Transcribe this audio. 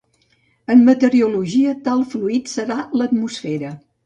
En meteorologia tal fluid serà l'atmosfera.